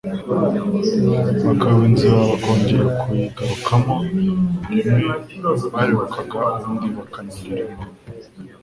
Bakayoba inzira bakongera kuyigarukamo. Rimwe barirukaga ubundi bakanyerera,